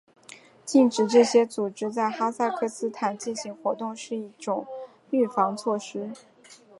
禁止这些组织在哈萨克斯坦进行活动是一种预防措施。